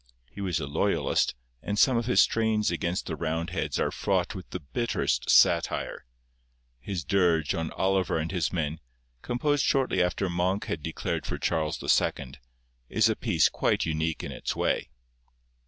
He was a loyalist, and some of his strains against the Roundheads are fraught with the bitterest satire. His dirge on Oliver and his men, composed shortly after Monk had declared for Charles II., is a piece quite unique in its way.